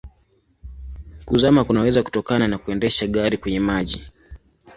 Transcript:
Kuzama kunaweza kutokana na kuendesha gari kwenye maji.